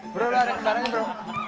bro udah ada yang tarik bro